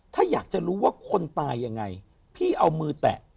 ถ้าอยากจะรู้ว่าคนตายยังไงพี่เอามือแตะ